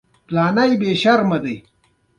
مجاهد د ژوند هره شېبه جهاد ګڼي.